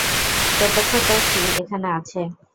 প্রত্যক্ষদর্শী এখানে আছে।